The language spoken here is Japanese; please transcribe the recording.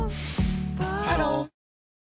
ハロー